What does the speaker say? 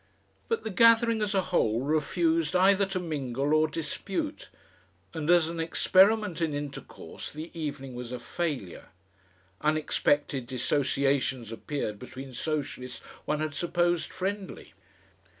But the gathering as a whole refused either to mingle or dispute, and as an experiment in intercourse the evening was a failure. Unexpected dissociations appeared between Socialists one had supposed friendly.